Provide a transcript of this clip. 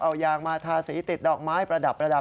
เอายางมาทาสีติดดอกไม้ประดับ